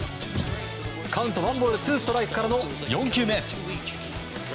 カウント、ワンボールツーストライクからの４球目。